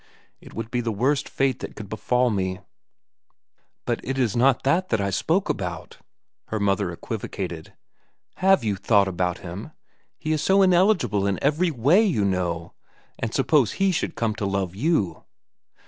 It would be the worst fate that could befall me." "But it is not that that I spoke about," her mother equivocated. "Have you thought about him? He is so ineligible in every way, you know, and suppose he should come to love you?"